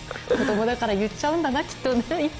子供だから言っちゃうんだなきっと。